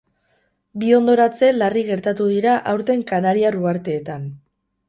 Bi hondoratze larri gertatu dira aurten Kanariar Uharteetan.